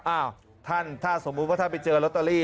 อ้าวท่านถ้าสมมุติว่าท่านไปเจอลอตเตอรี่